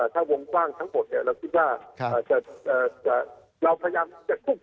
ถ้าวงกว้างทั้งหมดเราก็พิจารณ์เราพยายามจะคุกกลุ่ม